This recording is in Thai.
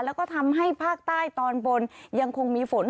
แล้วก็ทำให้ภาคใต้ตอนบนยังคงมีฝน